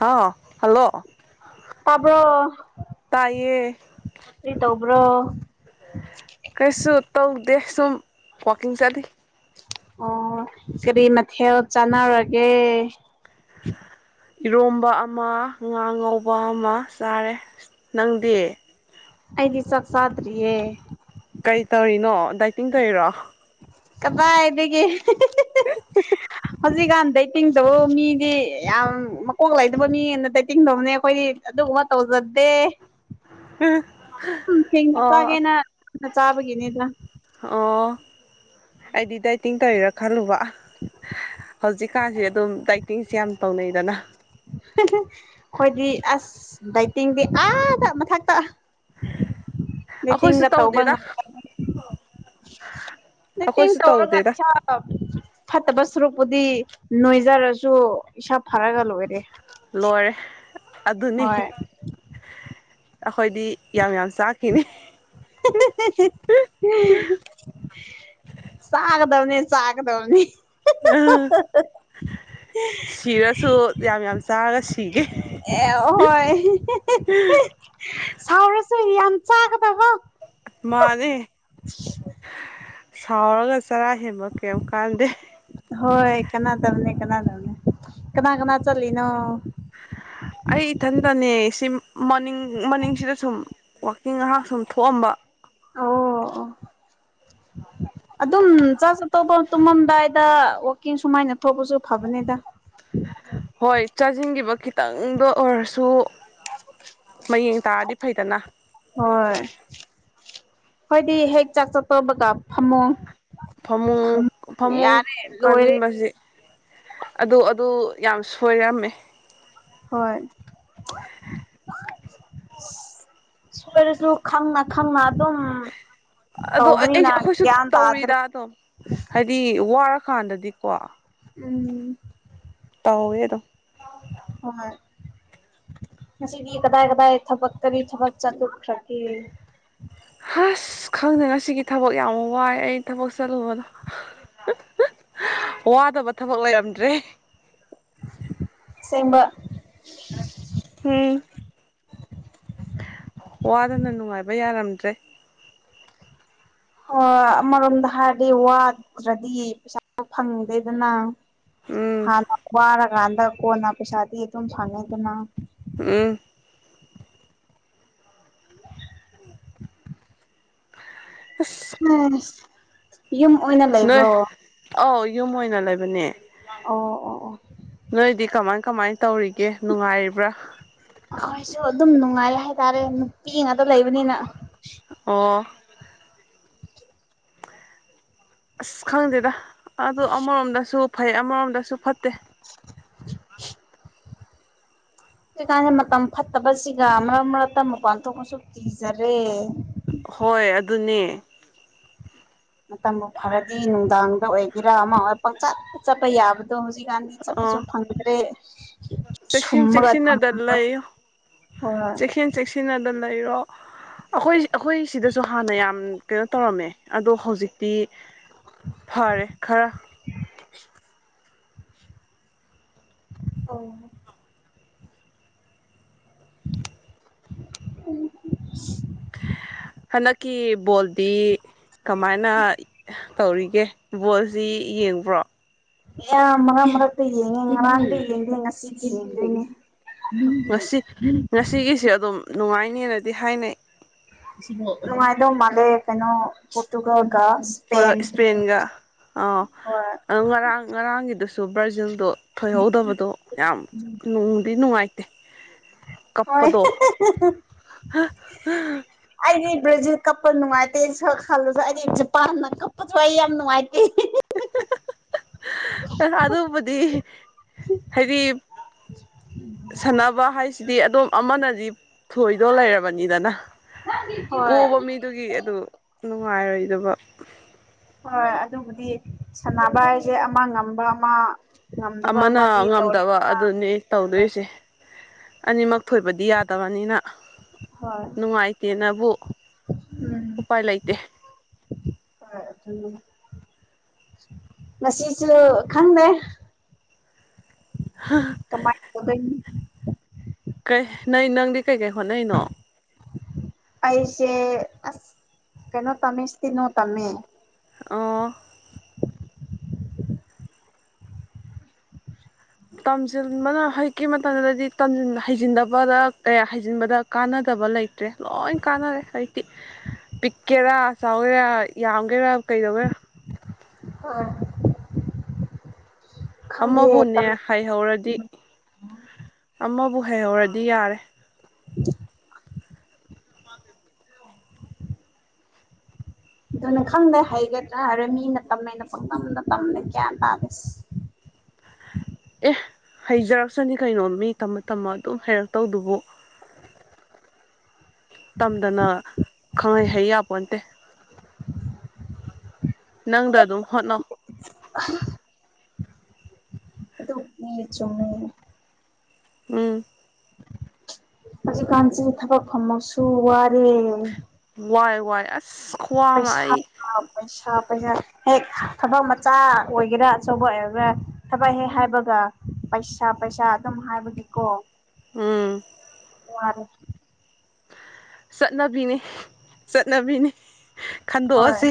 ꯍꯥꯎ hello ꯇꯥꯕ꯭ꯔꯣ ꯇꯥꯏꯌꯦ ꯀ꯭ꯔꯤ ꯇꯧꯕ꯭ꯔꯣ ꯀꯩꯁꯨ ꯇꯧꯗꯦ ꯁꯨꯝ ꯋꯥꯀꯤꯡ ꯆꯠꯂꯤ ꯑꯣꯑꯣ ꯀꯔꯤ ꯃꯊꯦꯜ ꯆꯥꯟꯅꯔ ꯒꯦ ꯏꯔꯣꯝꯕ ꯑꯃ ꯉꯥ ꯉꯧꯕ ꯑꯃ ꯆꯥꯔꯦ ꯅꯪ ꯗꯤ ꯑꯩꯗꯤ ꯆꯥꯛ ꯆꯥꯗ꯭ꯔꯤꯌꯦ ꯀꯩ ꯇꯧꯏꯅꯣ ꯗꯥꯏꯇꯤꯡ ꯇꯧꯏꯔꯣ ꯀꯗꯥꯏꯗꯒꯤ ꯍꯤꯍꯤꯍꯤ ꯍꯧꯖꯤꯛꯀꯥꯟ ꯗꯥꯏꯇꯤꯡ ꯇꯧꯕ ꯃꯤꯗꯤ ꯌꯥꯝ ꯃꯀꯣꯛ ꯂꯩꯗꯕ ꯃꯤꯅ ꯗꯥꯏꯇꯤꯡ ꯇꯧꯕꯅꯦ ꯑꯩꯈꯣꯏꯗꯤ ꯑꯗꯨꯒꯨꯝꯕ ꯇꯧꯖꯗꯦ ꯎꯪ ꯊꯦꯡꯅ ꯑꯣ ꯆꯥꯒꯦꯅ ꯆꯥꯛ ꯆꯥꯕꯒꯤꯅꯤ ꯗꯥ ꯑꯣ ꯑꯩꯗꯤ ꯗꯥꯏꯇꯤꯡ ꯇꯧꯏꯔꯥ ꯈꯜꯂꯨꯕ ꯍꯧꯖꯤꯛꯀꯥꯟꯁꯦ ꯑꯗꯨꯝ ꯗꯥꯏꯇꯤꯡꯁꯦ ꯌꯥꯝ ꯇꯧꯅꯩꯗꯅ [unintelligible] ꯑꯩꯈꯣꯏꯗꯤ ꯑꯁ ꯗꯥꯏꯇꯤꯡꯗꯤ ꯑꯥꯗ ꯃꯊꯛꯇ [unintelligible] ꯑꯩꯈꯣꯏꯁꯨ ꯃꯤꯇꯤꯡꯒ ꯇꯧꯕ ꯇꯧꯗꯦꯗ ꯉꯝ [unintelligible] ꯃꯤꯇꯤꯡ ꯑꯩꯈꯣꯏꯁꯨ ꯇꯧꯔꯒ ꯇꯧꯗꯦꯗ ꯏꯁꯥ ꯐꯠꯇꯕ ꯁꯨꯔꯨꯛꯄꯨꯗꯤ ꯅꯣꯏꯖꯔꯁꯨ ꯏꯁꯥ ꯐꯔꯒ ꯂꯣꯏꯔꯦ ꯂꯣꯏꯔꯦ ꯑꯗꯨꯅꯤ ꯍꯣꯏ ꯑꯈꯣꯏꯗꯤ ꯌꯥꯝ ꯌꯥꯝ ꯆꯥꯛꯈꯤꯅꯤ [unintelligible] ꯆꯥꯒꯗꯝꯅꯦ ꯆꯒꯗꯝꯅꯤ ꯑ ꯁꯤꯔꯁꯨ ꯌꯥꯝ ꯌꯥꯝ ꯆꯥꯔꯒ ꯁꯤꯒꯦ ꯑꯦ ꯍꯣꯏ ꯁꯥꯎꯔꯁꯨ ꯌꯥꯝ ꯆꯥꯒꯗꯕ ꯃꯥꯅꯤ ꯁꯥꯎꯔꯒ ꯆꯔꯥ ꯍꯦꯟꯕ ꯀꯩꯝ ꯀꯥꯟꯗꯦ ꯍꯣꯏ ꯀꯅꯥꯗꯝꯅꯦ ꯀꯅꯥꯗꯝꯅꯦ ꯀꯅꯥ ꯀꯅꯥ ꯆꯠꯂꯤꯅꯣ ꯑꯩ ꯏꯊꯟꯗꯅꯦ ꯁꯤ ꯃꯅꯤꯡ ꯃꯅꯤꯡꯁꯤꯗ ꯁꯨꯝ ꯋꯥꯛꯀꯤꯡ ꯉꯍꯥꯛ ꯁꯨꯝ ꯊꯣꯛꯑꯝꯕ ꯑꯣ ꯑꯣ ꯑꯗꯨꯝ ꯆꯥꯆ ꯑꯇꫭꯞꯄ ꯇꯨꯝꯃꯝꯗꯥꯏꯗ ꯋꯥꯀꯤꯡ ꯁꯨꯃꯥꯏꯅ ꯊꯣꯛꯄꯁꯨ ꯐꯕꯅꯦꯗ ꯍꯣꯏ ꯆꯥꯖꯤꯟꯒꯤꯕ ꯈꯤꯇꯪꯗꯣ ꯑꯣꯏꯔꯁꯨ ꯃꯌꯦꯡ ꯇꯥꯔꯗꯤ ꯐꯩꯗꯅ ꯍꯣꯏ ꯈꯣꯏꯗꯤ ꯍꯦꯛ ꯆꯥꯛ ꯆꯥ ꯇꫭꯕꯒ ꯐꯝꯃꯣꯡ ꯐꯃꯨꯡ ꯐꯃꯨꯡ ꯂꯣꯏꯔꯦ ꯀꯥꯖꯤꯟꯕꯁꯤ ꯑꯗꯨ ꯑꯗꯨ ꯌꯥꯝ ꯁꯣꯏꯔꯝꯃꯦ ꯍꯣꯏ [unintelligible] ꯁꫭꯏꯔꯁꯨ ꯈꯪꯅꯥ ꯈꯪꯅꯥ ꯑꯗꯨꯝ ꯑꯗꯣ ꯑꯩ ꯑꯩꯁꯨ ꯇꯧꯕꯅꯤꯅ ꯑꯩꯈꯣꯏꯁꯨ ꯒ꯭ꯌꯥꯟ ꯇꯧꯔꯤꯗ ꯇꯥꯗ꯭ꯔꯦ ꯑꯗꯨꯝ ꯍꯥꯏꯗꯤ ꯋꯥꯔꯀꯥꯟꯗꯗꯤꯀꯣ ꯎꯝ ꯇꯧꯋꯦꯗꯨꯝ ꯍꯣꯏ ꯉꯁꯤꯗꯤ ꯀꯗꯥꯏ ꯀꯗꯥꯏ ꯊꯕꯛ ꯀꯔꯤ ꯊꯕꯛ ꯆꯠꯂꯨꯈ꯭ꯔꯒꯦ ꯍꯁ ꯈꯪꯗꯦ ꯉꯁꯤꯒꯤ ꯊꯕꯛ ꯌꯥꯝ ꯋꯥꯏ ꯑꯩ ꯊꯕꯛ ꯆꯠꯂꯨꯕꯗꯣ [unintelligible] ꯋꯥꯗꯕ ꯊꯕꯛ ꯂꯩꯔꯝꯗ꯭ꯔꯦ ꯁꯦꯡꯕ ꯎꯝ ꯋꯥꯗꯅ ꯅꯨꯡꯉꯥꯏꯕ ꯌꯥꯔꯝꯗ꯭ꯔꯦ ꯍ ꯑꯃꯔꯣꯝꯗ ꯍꯥꯏꯔꯗꯤ ꯋꯥꯗ꯭ꯔꯗꯤ ꯄꯩꯁꯥ ꯐꯪꯗꯦꯗꯅ ꯎꯝ ꯍꯥꯟꯅ ꯋꯥꯔꯀꯥꯟꯗ ꯀꯣꯟꯅ ꯄꯩꯁꯥꯗꯤ ꯑꯗꯨꯝ ꯐꯪꯉꯤꯗꯅ ꯎꯝ ꯑꯁ ꯑꯥꯏꯁ ꯌꯨꯝ ꯑꯣꯏꯅ ꯅꯣꯏ ꯂꯩꯕ꯭ꯔꯣ ꯑꯧ ꯌꯨꯝ ꯑꯣꯏꯅ ꯂꯩꯕꯅꯦ ꯑꯣ ꯑꯣ ꯑꯣ ꯅꯣꯏꯗꯤ ꯀꯃꯥꯏ ꯀꯃꯥꯏ ꯇꯧꯔꯤꯒꯦ ꯅꯨꯡꯉꯥꯏꯔꯤꯕ꯭ꯔꯥ ꯑꯈꫭꯏꯁꯨ ꯑꯗꯨꯝ ꯅꯨꯡꯉꯥꯏ ꯍꯥꯏꯇꯥꯔꯦ ꯅꯨꯄꯤ ꯉꯥꯠꯇ ꯂꯩꯕꯅꯤꯅ ꯑꯣ ꯑꯁ ꯈꯪꯗꯦꯗ ꯑꯗꯨ ꯑꯃꯔꯣꯝꯗꯁꯨ ꯐꯩ ꯑꯃꯔꯣꯝꯗꯁꯨ ꯐꯠꯇꯦ [unintelligible] ꯍꯧꯖꯤꯛꯀꯥꯟꯗꯤ ꯃꯇꯝ ꯐꯠꯇꯕꯁꯤꯒ ꯃꯔꯛ ꯃꯔꯛꯇ ꯃꯄꯥꯟ ꯊꯣꯛꯄꯁꯨ ꯀꯤꯖꯔꯦ ꯍꯣꯏ ꯑꯗꯨꯅꯦ ꯃꯇꯝꯕꯨ ꯐꯔꯗꯤ ꯅꯨꯡꯗꯥꯡꯗ ꯑꯣꯏꯒꯦꯔ ꯑꯃ ꯑꯣꯏꯒꯦꯔ ꯄꯡ ꯆꯠꯇ ꯆꯠꯄ ꯌꯥꯕ ꯑꯗꯣ ꯍꯧꯖꯤꯛꯀꯥꯟꯗꯤ ꯆꯠꯄꯁꯨ ꯑꯥ ꯐꯪꯗ꯭ꯔꯦ ꯆꯦꯛꯁꯤꯟ ꯁꯨꯝꯃꯒ ꯆꯦꯛꯁꯤꯟꯅꯗ ꯊꯝꯃ ꯂꯩꯌꯨ ꯍꯣꯏ ꯆꯦꯛꯁꯤꯟ ꯆꯦꯛꯁꯤꯟꯅꯗ ꯂꯩꯔꯣ ꯑꯩꯈꯣꯏ ꯑꯩꯈꯣꯏ ꯁꯤꯗꯁꯨ ꯍꯥꯟꯅ ꯌꯥꯝ ꯀꯩꯅꯣ ꯇꯧꯔꯝꯃꯦ ꯑꯗꯣ ꯍꯧꯖꯤꯛ ꯇꯤ ꯐꯔꯦ ꯈꯔ [unintelligible] ꯎꯝ ꯎꯝ [unintelligible] ꯍꯟꯗꯛꯀꯤ ꯕꯣꯜꯗꯤ ꯀꯃꯥꯏꯅ ꯇꯧꯔꯤꯒꯦ ꯕꯣꯜ ꯁꯤ ꯌꯦꯡꯕ꯭ꯔꯣ ꯌꯥꯝ ꯃꯔꯛ ꯃꯔꯛꯇ ꯌꯦꯡꯉꯦ ꯉꯔꯥꯡꯗꯤ ꯌꯦꯡꯗꯦ ꯉꯁꯤꯗꯤ ꯌꯦꯡꯗꯣꯏꯅꯦ ꯉꯁꯤ ꯉꯁꯤꯒꯤꯁꯦ ꯑꯗꯨꯝ ꯅꯨꯡꯉꯥꯏꯅꯦꯅꯗꯤ ꯍꯥꯏꯅꯩ ꯅꯨꯡꯉꯥꯏꯗꯣꯏ ꯃꯥꯜꯂꯦ ꯀꯩꯅꯣ ꯄꯣꯔꯇꯨꯒꯜꯒ ꯍꯣꯏ ꯏꯁꯄꯦꯟ ꯏꯁꯄꯦꯟꯒ ꯑꯥꯎ ꯍꯣꯏ ꯑꯗꯣ ꯉꯔꯥꯡ ꯉꯔꯥꯡꯒꯤꯗꯨꯁꯨ ꯕ꯭ꯔꯖꯤꯜꯗꯣ ꯊꯣꯏꯍꯧꯗꯕꯗꯣ ꯌꯥꯝ ꯅꯨꯡꯗꯤ ꯅꯨꯡꯉꯥꯏꯇꯦ ꯍꯣꯏ ꯀꯞꯄꯗꯣ ꯑꯩꯗꯤ ꯕ꯭ꯔꯖꯤꯜ ꯀꯞꯄ ꯅꯨꯡꯉꯥꯏꯇꯦ ꯈꯜꯂꯁꯨ ꯑꯩꯗꯤ ꯖꯄꯥꯟꯅ ꯀꯞꯄꯁꯨ ꯑꯩ ꯌꯥꯝ ꯅꯨꯡꯉꯥꯏꯇꯦ ꯑꯗꯨꯕꯨꯗꯤ ꯍꯥꯏꯗꯤ ꯁꯥꯟꯅꯕ ꯍꯥꯏꯁꯤꯗꯤ ꯑꯗꯨꯝ ꯑꯃꯅꯗꯤ ꯊꯣꯏꯗꯣꯏ ꯂꯩꯔꯕꯅꯤꯗꯅ ꯍꯣꯏ ꯄꯣꯕ ꯃꯤ ꯑꯗꯨꯒꯤ ꯑꯗꯨ ꯅꯨꯡꯉꯥꯏꯔꯣꯏꯗꯕ ꯍꯣꯏ ꯑꯗꯨꯕꯨꯗꯤ ꯁꯥꯟꯅꯕ ꯍꯥꯏꯁꯦ ꯑꯃ ꯉꯝꯕ ꯑꯃ ꯉꯝꯗꯕ ꯑꯃꯅ ꯑꯃꯗꯤ ꯉꯝꯗꯕ ꯇꯧꯔꯦꯗꯅ ꯑꯗꯨꯅꯤ ꯇꯧꯗꯣꯏꯁꯦ ꯑꯅꯤꯃꯛ ꯊꯣꯏꯕꯗꯤ ꯌꯥꯗꯕꯅꯤꯅ ꯍꯣꯏ ꯅꯨꯡꯉꯥꯏꯇꯦꯅꯕꯨ ꯎꯝ ꯎꯄꯥꯏ ꯂꯩꯇꯦ ꯍꯣꯏ ꯑꯗꯨꯅꯤ ꯉꯁꯤꯁꯨ ꯈꯪꯗꯦ ꯍꯥ ꯀꯃꯥꯏ ꯇꯧꯗꯣꯏꯅꯣ ꯀꯩ ꯅꯪ ꯅꯪꯗꯤ ꯀꯩꯀꯩ ꯍꯣꯠꯅꯩꯅꯣ ꯑꯩꯁꯦ ꯑꯁ ꯀꯩꯅꯣ ꯇꯝꯃꯦ ꯁꯇꯦꯅꯣ ꯇꯝꯃꯦ ꯑꯣ ꯇꯝꯁꯤꯟꯕꯅ ꯍꯧꯖꯤꯛꯀꯤ ꯃꯇꯝꯗꯗꯤ ꯍꯩꯖꯤꯟꯗꯕꯗ ꯀꯌꯥ ꯍꯩꯖꯤꯟꯕꯗ ꯀꯥꯟꯅꯗꯕ ꯂꯩꯇ꯭ꯔꯦ ꯂꯣꯏ ꯀꯥꯟꯅꯔꯦ ꯍꯧꯖꯤꯛꯇꯤ ꯄꯤꯛꯀꯦꯔ ꯆꯥꯎꯒꯦꯔ ꯌꯥꯝꯒꯦꯔ ꯀꯩꯗꯧꯒꯦꯔ ꯍꯣꯏ ꯑꯃꯕꯨꯅꯦ ꯍꯩꯍꯧꯔꯗꯤ ꯑꯃꯕꯨ ꯍꯩꯍꯧꯔꯗꯤ ꯌꯥꯔꯦ [unintelligible] ꯑꯗꯨꯅ ꯈꯪꯗꯦ ꯍꯩꯒꯗ꯭ꯔꯅ ꯃꯤꯅ ꯇꯝꯃꯅꯩꯅ ꯄꯪꯇꯝꯗ ꯇꯝꯃꯦ ꯒꯌ꯭ꯥꯟ ꯇꯥꯗꯦ ꯑꯦ ꯍꯩꯖꯔꯛꯁꯅꯤ ꯀꯩꯅꯣ ꯃꯤ ꯇꯝꯃ ꯇꯝꯃ ꯑꯗꯨꯝ ꯍꯩꯔꯛꯇꯧꯗꯨꯕꯨ ꯇꯝꯗꯅ ꯈꯪꯍꯩ ꯍꯩ ꯌꯥꯄꯣꯠꯇꯦ [inaudible] ꯅꯪꯗ ꯑꯗꯨꯝ ꯍꯣꯠꯅꯧ [unintelligible] [unintelligible] ꯆꯨꯝꯃꯨ ꯎꯝ ꯍꯧꯖꯤꯛ ꯀꯥꯟꯁꯤꯗꯤ ꯊꯕꯛ ꯐꯝꯃꯁꯨ ꯋꯥꯔꯦ ꯋꯥꯏ ꯋꯥꯏ ꯑꯁ ꯈꯨꯋꯥ ꯑꯃ ꯄꯩꯁꯥ__ ꯑꯩ ꯑ ꯄꯩꯁꯥ ꯄꯩꯁꯥ ꯍꯦꯛ ꯊꯕꯛ ꯃꯆꯥ ꯑꯣꯏꯒꯦꯔꯥ ꯑꯆꯧꯕ ꯑꯣꯏꯒꯦꯔꯥ ꯊꯕꯛ ꯍꯦꯛ ꯍꯥꯏꯕꯒ ꯄꯩꯁꯥ ꯄꯩꯁꯥ ꯑꯗꯨꯝ ꯍꯥꯏꯕꯒꯤꯀꯣ ꯎꯝ ꯋꯥꯔꯦ ꯆꯠꯅꯕꯤꯅꯤ ꯆꯠꯅꯕꯤꯅꯤ ꯍꯣꯏ ꯈꯟꯗꯣꯛꯑꯁꯤ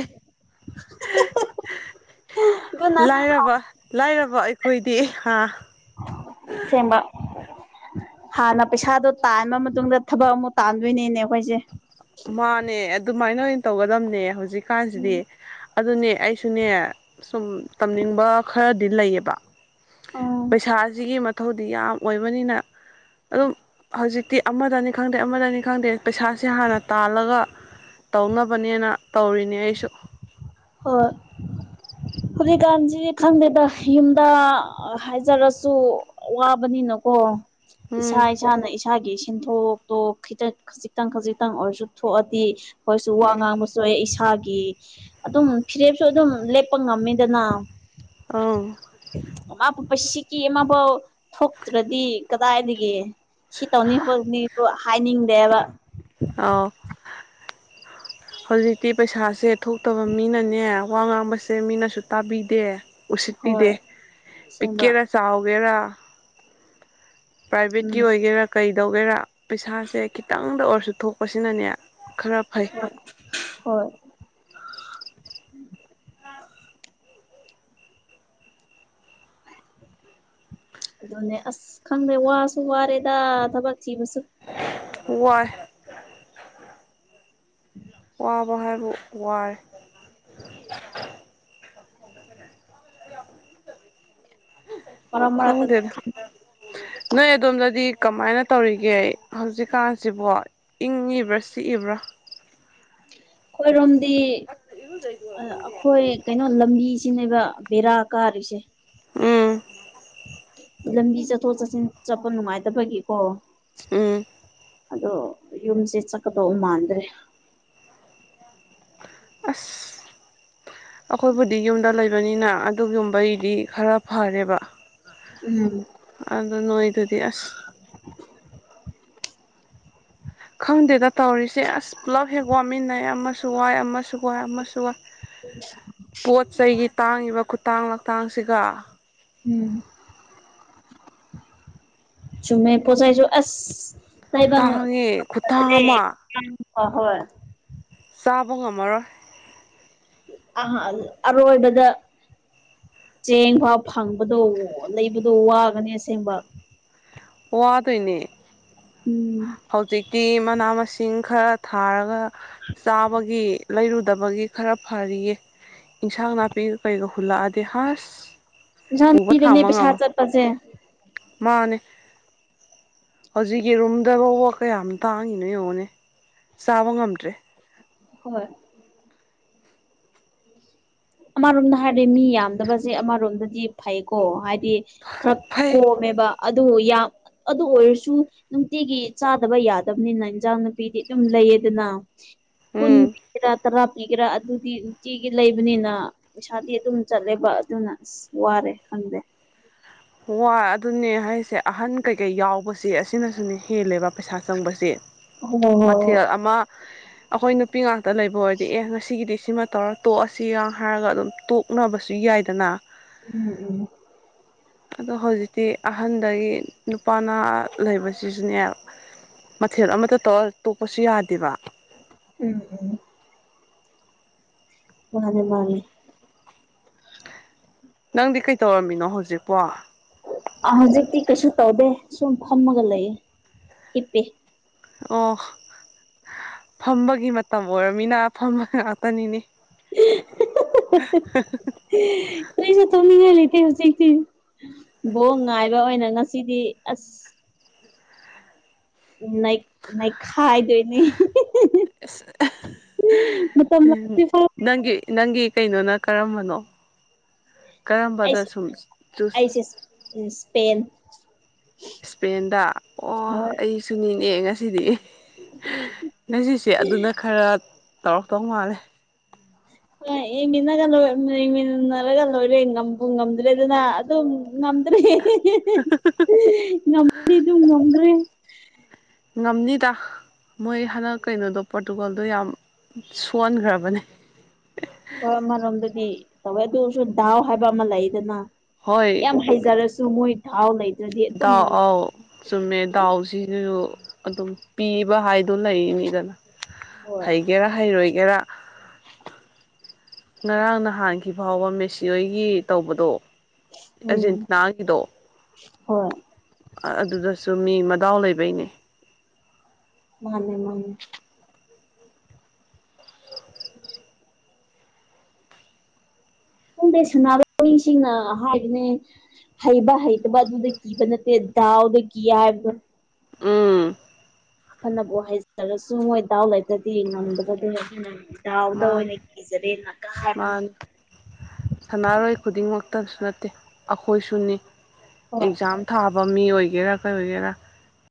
ꯑꯗꯨꯅ [unintelligible] ꯂꯥꯏꯔꯕ ꯂꯥꯏꯔꯕ ꯑꯩꯈꯣꯏꯗꯤ ꯍꯥ ꯁꯦꯝꯕ ꯍꯥꯟꯅ ꯄꯩꯁꯥꯗꯣ ꯇꯥꯟꯕ ꯃꯇꯨꯡꯗ ꯊꯕꯛ ꯑꯃꯨꯛ ꯇꯥꯟꯗꯣꯏꯅꯤꯅꯦ ꯑꯩꯈꯣꯏꯁꯦ ꯃꯥꯟꯅꯦ ꯑꯗꯨꯃꯥꯏꯅ ꯑꯣꯏꯅ ꯇꯧꯒꯗꯝꯅꯦ ꯍꯧꯖꯤꯛꯀꯥꯟꯁꯤꯗꯤ ꯑꯗꯨꯅꯦ ꯑꯩꯁꯨꯅꯦ ꯁꯨꯝ ꯇꯝꯅꯤꯡꯕ ꯈꯔꯗꯤ ꯂꯩꯌꯦꯕ ꯎꯝ ꯄꯩꯁꯥꯁꯤꯒꯤ ꯃꯊꯧꯗꯤ ꯌꯥꯝ ꯑꯣꯏꯕꯅꯤꯅ ꯑꯗꯨꯝ ꯍꯧꯖꯤꯛꯇꯤ ꯑꯃꯗꯅꯤ ꯈꯪꯗꯦ ꯑꯃꯗꯅꯤ ꯈꯪꯗꯦ ꯄꯩꯁꯥꯁꯦ ꯍꯥꯟꯅ ꯇꯥꯜꯂꯒ ꯇꯧꯅꯕꯅꯦꯅ ꯇꯧꯔꯤꯅꯦ ꯑꯩꯁꯨ ꯍꯣꯏ ꯍꯧꯖꯤꯛꯀꯥꯟꯁꯤꯗꯤ ꯈꯪꯗꯦꯗ ꯌꯨꯝꯗ ꯑ ꯍꯥꯏꯖꯔꯁꯨ ꯋꯥꯕꯅꯤꯅꯀꯣ ꯏꯁꯥ ꯎꯝ ꯏꯁꯥꯅ [unintelligible] ꯏꯁꯥꯒꯤ ꯁꯤꯟꯊꯣꯛꯇꯣ ꯈꯤꯇꯪ ꯈꯖꯤꯛꯇꯪ ꯈꯖꯤꯛꯇꯪ ꯑꯣꯏꯔꯁꯨ ꯊꯣꯛꯑꯗꯤ ꯑꯩꯈꯣꯏꯁꯨ ꯋꯥ ꯎꯝ ꯉꯥꯡꯕꯁꯨ__ ꯍꯣꯏ ꯏꯁꯥꯒꯤ ꯑꯗꯨꯝ ꯐꯤꯔꯦꯞꯁꯨ ꯑꯗꯨꯝ ꯂꯦꯞꯄ ꯉꯝꯃꯤꯗꯥꯅ ꯑꯎ ꯑꯃꯄꯨꯄ ꯁꯤꯛꯀꯤ ꯑꯃꯕꯥꯎ ꯊꯣꯛꯇ꯭ꯔꯗꯤ ꯀꯗꯥꯏꯗꯒꯤ ꯁꯤ ꯇꯧꯅꯤ ꯈꯣꯠꯀꯅꯤꯗꯨ ꯍꯥꯏꯅꯤꯡꯗꯦꯕ ꯑꯥꯎ [inaudible] ꯍꯧꯖꯤꯛꯇꯤ ꯄꯩꯁꯥꯁꯦ ꯊꯣꯛꯇꯕ ꯃꯤꯅꯅꯦ ꯋꯥ ꯉꯥꯡꯕꯁꯦ ꯃꯤꯅꯁꯨ ꯇꯥꯕꯤꯗꯦ ꯎꯁꯤꯠꯄꯤꯗꯦ ꯍꯣꯏ ꯑꯁꯦꯡꯕ ꯄꯤꯛꯀꯦꯔꯥ ꯆꯥꯎꯒꯦꯔꯥ ꯎꯝ ꯄ꯭ꯔꯥꯏꯚꯦꯠꯀꯤ ꯑꯣꯏꯒꯦꯔꯥ ꯀꯩꯗꯧꯒꯦꯔꯥ ꯄꯩꯁꯥꯁꯦ ꯈꯤꯇꯪꯗ ꯑꯣꯏꯔꯁꯨ ꯊꯣꯛꯄꯁꯤꯅꯅꯦ ꯈꯔ ꯐꯩ [unintelligible] ꯍꯣꯏ ꯍꯣꯏ ꯑꯗꯨꯅꯦ ꯑꯁ ꯈꯪꯗꯦ ꯋꯥꯁꯨ ꯋꯥꯔꯦꯗ ꯊꯕꯛ ꯊꯤꯕꯁꯦ ꯋꯥꯏ ꯋꯥꯕ ꯍꯥꯏꯕꯨ ꯋꯥꯏ ꯃꯔꯛ ꯃꯔꯛꯇꯗꯤ ꯈꯪꯗ‌ꯦꯗ ꯅꯣꯏ ꯑꯗꯣꯝꯗꯗꯤ ꯀꯃꯥꯏꯅ ꯇꯧꯔꯤꯒꯦ ꯍꯧꯖꯤꯛꯀꯥꯟꯁꯤꯕꯣ ꯏꯪꯉꯤꯕ꯭ꯔꯥ ꯁꯤꯛꯏꯕ꯭ꯔꯥ ꯑꯩꯈꯣꯏꯔꯣꯝꯗꯤ ꯑꯥ ꯑꯩꯈꯣꯏ ꯀꯩꯅꯣ ꯂꯝꯕꯤꯁꯤꯅꯦꯕ ꯕꯦꯔꯥ ꯀꯥꯔꯤꯁꯦ ꯎꯝ ꯂꯝꯕꯤ ꯆꯠꯊꯣꯛ ꯆꯠꯁꯤꯟ ꯆꯠꯄ ꯅꯨꯡꯉꯥꯏꯇꯕꯒꯤꯀꯣ ꯎꯝ ꯑꯗꯣ ꯌꯨꯝꯁꯦ ꯆꯠꯀꯗꯧꯕ ꯃꯥꯟꯗ꯭ꯔꯦ ꯑꯁ ꯑꯩꯈꯣꯏꯕꯨꯗꯤ ꯌꯨꯝꯗ ꯂꯩꯕꯅꯤꯅ ꯑꯗꯨꯒꯨꯝꯕꯩꯗꯤ ꯈꯔ ꯐꯔꯦꯕ ꯎꯝ ꯑꯗꯨ ꯅꯣꯏꯗꯨꯗꯤ ꯑꯁ ꯈꯪꯗꯦꯗ ꯇꯧꯔꯤꯁꯦ ꯑꯁ ꯄꯨꯜꯂꯞ ꯍꯦꯛ ꯋꯥꯠꯃꯤꯟꯅꯩ ꯑꯃꯁꯨ ꯋꯥꯏ ꯑꯃꯁꯨ ꯋꯥꯏ ꯑꯃꯁꯨ ꯋꯥꯏ ꯄꯣꯠ ꯆꯩꯒꯤ ꯇꯥꯡꯉꯤꯕ ꯈꯨꯇꯥꯡ ꯂꯇꯥꯡꯁꯤꯒ ꯎꯝ ꯆꯨꯝꯃꯦ ꯄꯣ ꯆꯩꯥꯏꯖꯨ ꯑꯁ ꯇꯥꯏꯕꯪ ꯇꯥꯡꯉꯦ ꯈꯨꯇꯥꯡ ꯑꯃ [inaudible] ꯍꯣꯏ ꯆꯥꯕ ꯉꯝꯃꯔꯣꯏ ꯑ ꯑꯔꯣꯏꯕꯗ ꯆꯦꯡ ꯐꯥꯎ ꯐꯪꯕꯗꯣ ꯂꯩꯕꯗꯣ ꯋꯥꯒꯅꯤ ꯑꯁꯦꯡꯕ ꯋꯥꯗꯣꯏꯅꯦ ꯎꯝ ꯍꯧꯖꯤꯛꯇꯤ ꯃꯅꯥ ꯃꯁꯤꯡ ꯈꯔ ꯊꯥꯔꯒ ꯆꯥꯕꯒꯤ ꯂꯩꯔꯨꯗꯕꯒꯤ ꯈꯔ ꯐꯔꯤꯌꯦ ꯏꯟꯁꯥꯡ ꯅꯥꯄꯤꯒ ꯀꯩꯒ ꯍꯨꯜꯂꯛꯑꯗꯤ ꯍꯁ ꯏꯟꯁꯥꯡ ꯄꯨꯕ ꯅꯥꯄꯤꯗꯅꯦ ꯊꯥꯝꯕ ꯄꯩꯁꯥ ꯉꯝꯃꫭ ꯆꯠꯄꯁꯦ ꯃꯥꯅꯦ ꯍꯧꯖꯤꯛ ꯌ‌ꯦꯔꯨꯝꯗ ꯐꯥꯎꯕ ꯀꯌꯥꯝ ꯇꯥꯡꯉꯤꯅꯣ ꯌꯦꯡꯉꯣꯅꯦ ꯆꯥꯕ ꯉꯝꯗ꯭ꯔꯦ ꯍꯣꯏ ꯑꯃꯔꯣꯝꯗ ꯍꯥꯏꯔꯗꯤ ꯃꯤ ꯌꯥꯝꯗꯕꯁꯦ ꯑꯃꯔꯣꯝꯗꯗꯤ ꯐꯩꯀꯣ ꯍꯥꯏꯗꯤ ꯈꯔ ꯐꯩ ꯀꯣꯝꯃꯦꯕ ꯑꯗꯨ ꯌꯥꯝ ꯑꯗꯨ ꯑꯣꯏꯔꯁꯨ ꯅꯨꯡꯇꯤꯒꯤ ꯆꯥꯗꯕ ꯌꯥꯗꯕꯅꯤꯅ ꯏꯟꯖꯥꯡ ꯅꯨꯄꯤꯗꯤ ꯑꯗꯨꯝ ꯂꯩꯌꯦꯗꯅ ꯀꯨꯟ ꯎꯝ ꯄꯤꯒꯦꯔꯥ ꯇꯔꯥ ꯄꯤꯒꯦꯔꯥ ꯑꯗꯨꯗꯤ ꯅꯨꯡꯇꯤꯒꯤ ꯂꯩꯕꯅꯤꯅ ꯄꯩꯁꯥꯗꯤ ꯑꯗꯨꯝ ꯆꯠꯂꯦꯕ ꯑꯗꯨꯅ ꯑꯁ ꯋꯥꯔꯦ ꯈꯪꯗꯦ ꯋꯥ ꯑꯗꯨꯅꯦ ꯍꯥꯏꯁꯦ ꯑꯍꯟ ꯀꯩꯀꯩ ꯌꯥꯎꯕꯁꯦ ꯑꯁꯤꯅꯁꯨꯅꯦ ꯍꯦꯜꯂꯦꯕ ꯄꯩꯁꯥ ꯆꯪꯕꯁ‌ꯦ ꯍꯣ ꯍꯣ ꯃꯊꯦꯜ ꯑꯃ [unintelligible] ꯑꯩꯈꯣꯏ ꯅꯨꯄꯤ ꯉꯥꯛꯇ ꯂꯩꯕ ꯑꯣꯏꯔꯗꯤ ꯑꯦ ꯉꯁꯤꯒꯤꯗꯤ ꯁꯤꯃ ꯇꯧꯔ ꯇꯣꯛꯑꯁꯤꯒ ꯍꯥꯏꯔꯒ ꯑꯗꯨꯝ ꯇꯣꯛ ꯇꯣꯛꯅꯕꯁꯨ ꯌꯥꯏꯗꯅ ꯎꯝ ꯎꯝ ꯑꯗꯣ ꯍꯧꯖꯤꯛꯇꯤ ꯑꯍꯟꯗꯒꯤ ꯅꯨꯄꯥꯅꯍꯥ ꯂꯩꯕꯁꯤꯁꯨꯅꯦ ꯃꯊꯦꯜ ꯑꯃꯇ ꯇꯧꯔ ꯇꯣꯛꯄꯁꯨ ꯌꯥꯗꯦꯕ ꯎꯝ ꯎꯝ ꯃꯥꯅꯦ ꯃꯥꯅꯦ ꯅꯪꯗꯤ ꯀꯩꯇꯧꯔꯝꯃꯤꯅꯣ ꯍꯧꯖꯤꯛꯄꯣ ꯑ ꯍꯧꯖꯤꯛꯇꯤ ꯀꯩꯁꯨ ꯇꯧꯗꯦ ꯁꯨꯝ ꯐꯝꯃꯒ ꯂꯩꯌꯦ ꯍꯤꯞꯄꯤ ꯑꯣ ꯐꯝꯕꯒꯤ ꯃꯇꯝ ꯑꯣꯏꯔꯃꯤꯅ ꯐꯝꯕ ꯉꯥꯛꯇꯅꯤꯅꯦ ꯀꯩꯁꯨ ꯇꯧꯅꯤꯡꯉꯥꯏ ꯂꯩꯇꯦ ꯍꯧꯖꯤꯛꯇꯤ ꯕꯣꯝ ꯉꯥꯏꯕ ꯑꯣꯏꯅ ꯉꯁꯤꯗꯤ ꯑꯁ ꯎꯝ ꯂꯩ ꯅꯩꯈꯥꯏꯗꯣꯏꯅꯦ ꯃꯇꯝꯂꯛꯇꯔꯤꯐꯥꯎ ꯅꯪꯒꯤ ꯅꯪꯒꯤ ꯀꯩꯅꯣꯅ ꯀꯔꯝꯕꯅꯣ ꯀꯔꯝꯕꯗ ꯑꯩꯁꯤ ꯁꯨꯝ ꯆꯨꯁ ꯑꯩꯁꯦ ꯏꯁꯄꯦꯟ ꯏꯁꯄꯦꯟꯗ ꯑꯣ ꯍꯣꯏ ꯑꯩꯁꯨꯅꯤꯅꯦ ꯉꯁꯤꯗꯤ ꯉꯁꯤꯁꯦ ꯑꯗꯨꯅ ꯈꯔ ꯇꯧꯔꯛꯇꯧ ꯃꯥꯜꯂꯦ ꯌꯦꯡꯃꯤꯟꯅꯒ ꯌꯦꯡꯃꯤꯟꯅꯔꯒ ꯂꯣꯏꯔꯦ ꯉꯝꯕꯨ ꯉꯝꯗ꯭ꯔꯦꯗꯅꯥ ꯑꯗꯨꯝ ꯉꯝꯗ꯭ꯔꯦ ꯍꯥ ꯍꯥ ꯍꯥ ꯍꯥ ꯉꯝꯅꯤꯗꯨ ꯉꯝꯗꯔ꯭ꯦ ꯉꯝꯅꯤꯗ ꯃꯣꯏ ꯍꯟꯗꯛ ꯀꯩꯅꯣꯗꯣ ꯄꯣꯔꯇꯨꯒꯜꯗꯣ ꯌꯥꯝ ꯁꯣꯟꯒꯔꯕꯅꯦ ꯍꯣꯏ ꯑꯃꯔꯣꯝꯗꯗꯤ ꯇꯧꯋꯦ ꯑꯗꯨꯁꯨ ꯗꯥꯎ ꯍꯥꯏꯕ ꯑꯃ ꯂꯩꯗꯅ ꯍꯣꯏ ꯌꯥꯝ ꯍꯩꯖꯔꯁꯨ ꯗꯣꯃꯣꯏ ꯊꯥꯎ ꯂꯩꯇ꯭ꯔꯗꯤ ꯑꯗꯨꯝ ꯒꯥ ꯑꯥꯎ ꯆꯨꯝꯃꯦ ꯗꯥꯎꯁꯤꯅꯁꯨ ꯑꯗꯨꯝ ꯄꯤꯕ ꯍꯥꯏꯗꯣ ꯂꯩꯔꯤꯅꯤꯗꯅ ꯍꯣꯏ ꯍꯩꯒꯦꯔꯥ ꯍꯩꯔꯣꯏꯒꯦꯔꯥ ꯉꯔꯥꯡ ꯅꯍꯥꯟꯈꯤ ꯐꯥꯎꯕ ꯃꯦꯁꯤ ꯍꯣꯏꯒꯤ ꯇꯧꯕꯗꯣ ꯎꯝ ꯑꯔꯖꯦꯟꯇꯤꯅꯥꯒꯤꯗꯣ ꯍꯣꯏ ꯑ ꯑꯗꯨꯗꯁꯨ ꯃꯤ ꯃꯗꯥꯎ ꯂꯩꯕꯩꯅꯦ ꯃꯥꯅꯦ ꯃꯥꯅꯦ ꯄꯨꯡꯗꯩ ꯁꯥꯟꯅꯥꯔ ꯃꯤꯁꯤꯡꯅ ꯍꯥꯏꯕꯅꯦ ꯍꯩꯕ ꯍꯩꯇꯕ ꯑꯗꯨꯗ ꯀꯤꯕ ꯅꯠꯇꯦ ꯗꯥꯎꯗ ꯀꯤ ꯍꯥꯏꯕꯗꯣ ꯎꯝ ꯐꯅꯕꯨ ꯍꯩꯅ ꯁꯥꯅꯔꯁꯨ ꯃꯣꯏ ꯗꯥꯎ ꯂꯩꯇꯔꯗꯤ ꯉꯝꯗꯕꯗꯨꯅꯦ ꯑꯗꯨꯅꯅꯦ ꯗꯥꯎꯗ ꯃꯥꯅꯦ ꯑꯣꯏꯅ ꯀꯤꯖꯔꯦ ꯅꯛꯇ ꯍꯥꯏꯕꯅꯤ ꯃꯥꯅꯦ ꯁꯥꯟꯅꯔꯣꯏ ꯈꯨꯗꯤꯡꯃꯛꯇꯁꯨ ꯅꯠꯇꯦ ꯑꯩꯈꯣꯏꯁꯨꯅꯤ ꯍꯣꯏ ꯑꯦꯛꯖꯥꯝ ꯊꯥꯕ ꯃꯤ ꯑꯣꯏꯒꯦꯔꯥ ꯀꯩ ꯑꯣꯏꯒꯦꯔꯥ